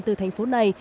từ thành phố này